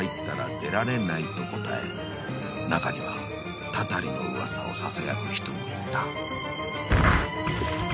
［中にはたたりの噂をささやく人もいた］